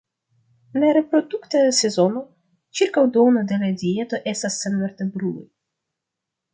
En la reprodukta sezono, ĉirkaŭ duono de la dieto estas senvertebruloj.